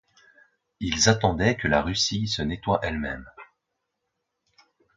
Ils attendaient que la Russie se nettoie elle-même.